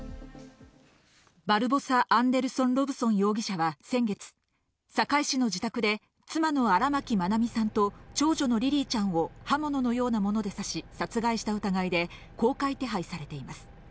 バルボサ・アンデルソン・ロブソン容疑者は先月、堺市の自宅で妻の荒牧愛美さんと長女のリリィちゃんを刃物のようなもので刺し殺害した疑いで公開手配されています。